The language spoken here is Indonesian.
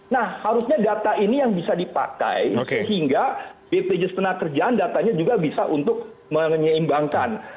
nah harusnya data ini yang bisa dipakai sehingga bpjs tenaga kerjaan datanya juga bisa untuk menyeimbangkan